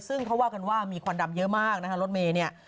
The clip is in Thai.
ซึ่งเขาว่ากันว่ามีควันดำเยอะมากนะคะรถเมย์เนี่ย